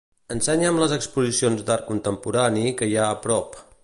Ensenya'm les exposicions d'art contemporani que hi ha a prop.